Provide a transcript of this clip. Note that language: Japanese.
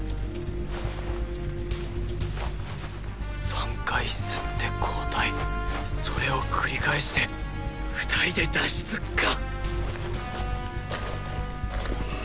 ３回吸って交替それを繰り返して２人で脱出か！！